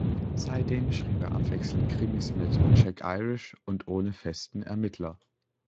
Seitdem schrieb er abwechselnd Krimis mit Jack Irish und ohne festen Ermittler.